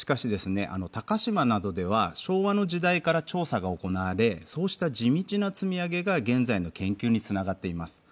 鷹島などでは昭和の時代から調査が行われそうした地道な積み上げが現在の研究につながっています。